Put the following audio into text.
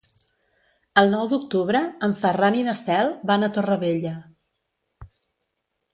El nou d'octubre en Ferran i na Cel van a Torrevella.